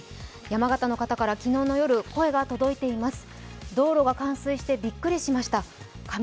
山形の方から昨日の夜声が届いています。